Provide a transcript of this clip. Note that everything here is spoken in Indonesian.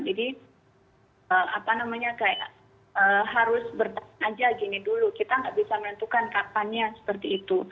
jadi apa namanya kayak harus bertahan aja gini dulu kita nggak bisa menentukan kapannya seperti itu